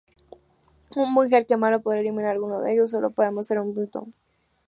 Un buen hacker malo podría eliminar algunos de ellos, solo para demostrar un punto.